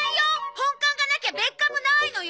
本館がなきゃ別館もないのよ！